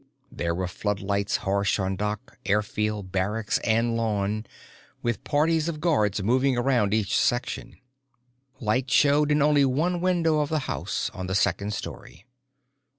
There were floodlights harsh on dock, airfield, barracks and lawn, with parties of guards moving around each section. Light showed in only one window of the house, on the second story.